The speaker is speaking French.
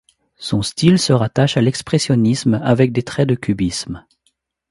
Son style se rattache à l'expressionnisme avec des traits de cubisme.